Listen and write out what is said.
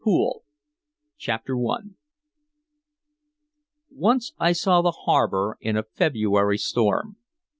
BOOK IV CHAPTER I Once I saw the harbor in a February storm.